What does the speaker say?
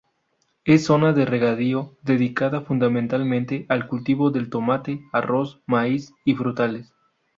Es zona de regadío dedicada fundamentalmente al cultivo del tomate, arroz, maíz y frutales.